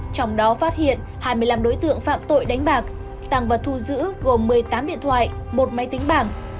trong đó phát hiện hai mươi năm đối tượng phạm tội đánh bạc tăng vật thu giữ gồm một mươi tám điện thoại một máy tính bảng